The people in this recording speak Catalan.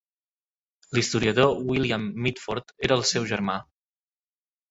L'historiador William Mitford era el seu germà.